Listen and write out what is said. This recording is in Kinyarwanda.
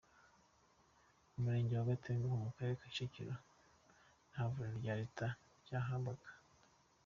Mu murenge wa Gatenga wo mu karere ka Kicukiro nta vuriro rya Leta ryahabaga.